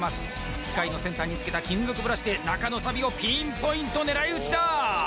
機械の先端に付けた金属ブラシで中のサビをピンポイント狙い撃ちだ！